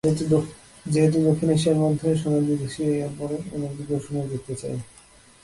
যেহেতু দক্ষিণ এশিয়ার মধ্যে সোনা জিতেছি, এরপর অলিম্পিকেও সোনা জিততে চাই।